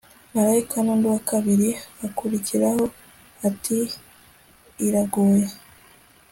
marayika nundi wa kabiri akurikiraho ati iraguye